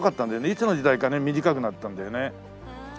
いつの時代かね短くなったんだよね。